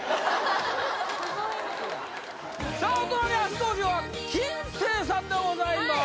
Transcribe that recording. お隣初登場は金星さんでございます